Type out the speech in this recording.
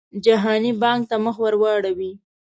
جهاني بانک ته مخ ورواړوي.